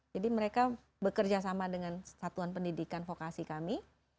jadi mereka bekerja sama dengan satuan pendidikan vokasi kami